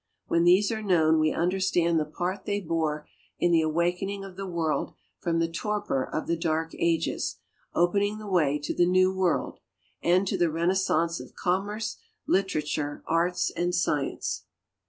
When these are known we understand the part they bore in the awakening of the world from the torpor of the Dark Ages, opening the way to the new world, and to the renaissance of commerce, literature, arts, and science.